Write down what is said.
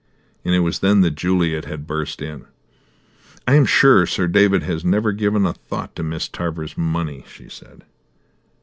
And it was then that Juliet had burst in. "I am sure Sir David has never given a thought to Miss Tarver's money," she said.